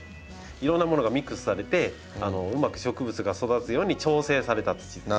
いろんなものがミックスされてうまく植物が育つように調整された土です。